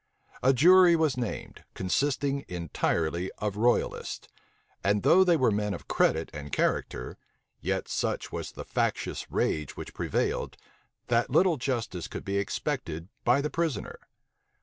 A jury was named, consisting entirely of royalists; and though they were men of credit and character, yet such was the factious rage which prevailed, that little justice could be expected by the prisoner.